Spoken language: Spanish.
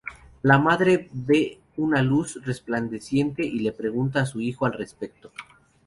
La madre ve una luz resplandeciente y le pregunta a su hijo al respecto.